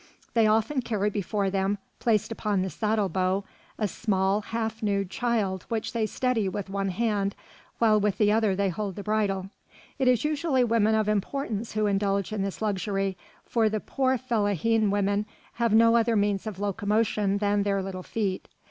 They often carry before them, placed upon the saddle bow, a small, half nude, child which they steady with one hand while with the other they hold the bridle. It is usually women of importance who indulge in this luxury, for the poor fellahin women have no other means of locomotion than their little feet.